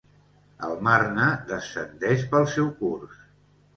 El Marne descendeix pel seu curs.